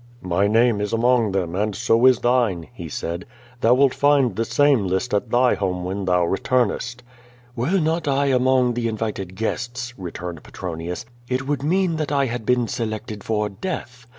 "My name is among them, and so is thine," he said. "Thou wilt find the same list at thy home when ihou retumest.'^ "Were not I among the invited guests," returned Petro nius, "it would mean that I had been selected for death.